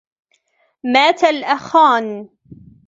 مات الأخان